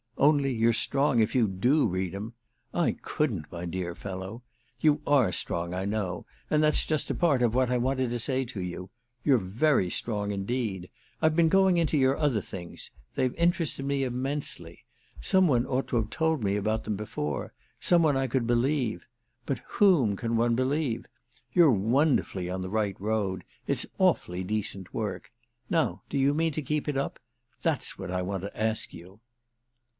Only you're strong if you do read 'em! I couldn't, my dear fellow. You are strong, I know; and that's just a part of what I wanted to say to you. You're very strong indeed. I've been going into your other things—they've interested me immensely. Some one ought to have told me about them before—some one I could believe. But whom can one believe? You're wonderfully on the right road—it's awfully decent work. Now do you mean to keep it up?—that's what I want to ask you."